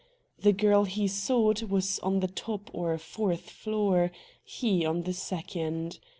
The girl he sought was on the top or fourth floor, he on the second.